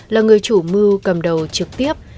là người chủ mưu cầm đầu trực tiếp